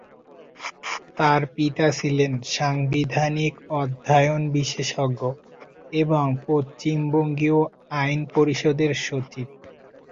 তার পিতা ছিলেন সাংবিধানিক অধ্যয়ন বিশেষজ্ঞ এবং পশ্চিম বঙ্গীয় আইন পরিষদের সচিব।